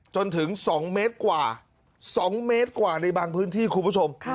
จนถึง๒เมตรกว่า๒เมตรกว่าในบางพื้นที่คุณผู้ชม